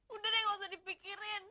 udah deh gak usah dipikirin